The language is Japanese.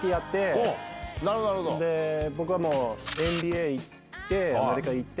僕はもうＮＢＡ行ってアメリカに行って。